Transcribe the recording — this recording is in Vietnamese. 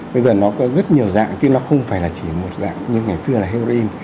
bây giờ nó có rất nhiều dạng chứ nó không phải là chỉ một dạng như ngày xưa là heroin